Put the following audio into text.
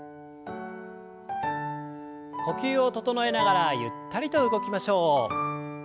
呼吸を整えながらゆったりと動きましょう。